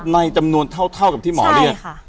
ในจำนวนเท่ากับที่หมอเรื้อใช่ค่ะ